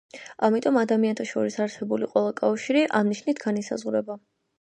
ამიტომ ადამიანთა შორის არსებული ყველა კავშირი ამ ნიშნით განისაზღვრება.